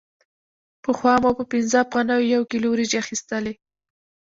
پخوا مو په پنځه افغانیو یو کیلو وریجې اخیستلې